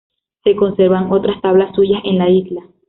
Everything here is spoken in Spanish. Se conservan otras tablas suyas en la isla.